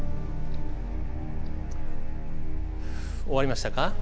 終わりましたか？